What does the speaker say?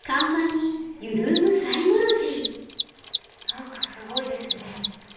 何かすごいですね。